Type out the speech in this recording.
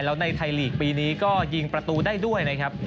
แล้วในไทยลีกปีนี้ก็ยิงประตูได้ด้วยนะครับ